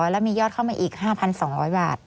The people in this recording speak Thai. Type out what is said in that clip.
แล้วมียอดเข้ามาอีก๕๒๐๐บาท